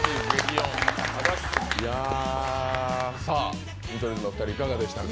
さあ、見取り図のお二人いかがでしたか。